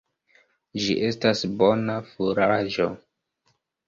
Ĝi estas bona furaĝo.